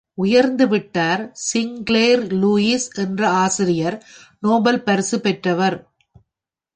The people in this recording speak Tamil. உயர்ந்து விட்டார் ஸிங்க்ளேர் லூயிஸ் என்ற ஆசிரியர் நோபல் பரிசு பெற்றவர்.